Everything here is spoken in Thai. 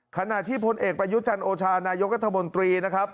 ขณะที่พลเอกประยุจันโอชานายกรัฐมนตรีนะครับ